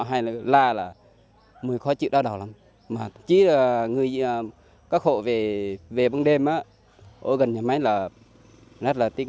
hay là la là mùi khó chịu đau đau lắm mà thậm chí là các hộ về băng đêm gần nhà máy là rất là tiếng